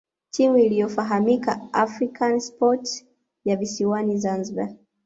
Timu iliyofahamika African Sport ya visiwani Zanzibar